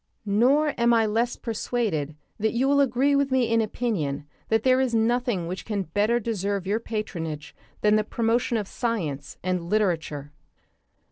Nor am I less persuaded that you will agree with me in opinion that there is nothing which can better deserve your patronage than the promotion of science and literature.